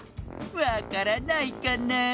わからないかなあ？